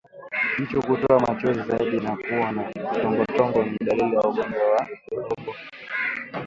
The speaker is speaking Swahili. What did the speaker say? Jicho kutoa machozi zaidi na kuwa na tongotongo ni dalili ya ugonjwa wa ndorobo